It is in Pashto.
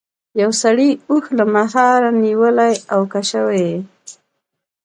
یو سړي اوښ له مهار نیولی او کشوي یې.